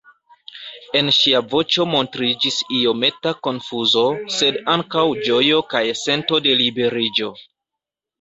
En ŝia voĉo montriĝis iometa konfuzo, sed ankaŭ ĝojo kaj sento de liberiĝo.